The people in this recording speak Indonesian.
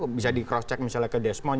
bisa di cross check misalnya ke desmond